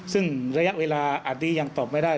ซึ่งระยะเวลาอันนี้ยังตอบไม่ได้